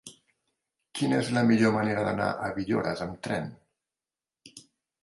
Quina és la millor manera d'anar a Villores amb tren?